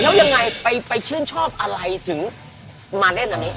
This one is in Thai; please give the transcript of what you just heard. แล้วยังไงไปชื่นชอบอะไรถึงมาเล่นอันนี้